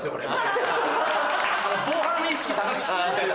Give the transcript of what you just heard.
防犯意識が高い。